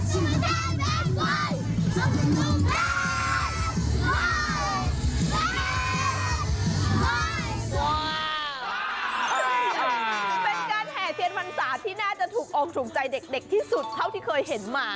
เป็นการแห่เทียนพรรษาที่น่าจะถูกอกถูกใจเด็กที่สุดเท่าที่เคยเห็นมา